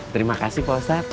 terima kasih pak ustadz